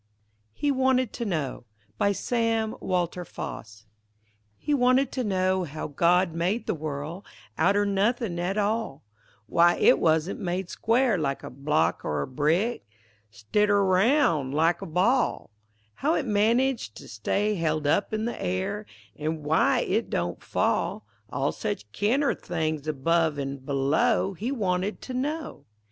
HE WANTED TO KNOW BY SAM WALTER FOSS He wanted to know how God made the worl' Out er nothin' at all, W'y it wasn't made square, like a block or a brick, Stid er roun', like a ball, How it managed to stay held up in the air, An' w'y it don't fall; All such kin' er things, above an' below, He wanted to know.